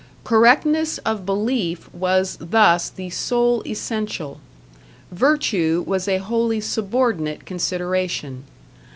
Correctness of belief was thus the sole essential; virtue was a wholly subordinate consideration.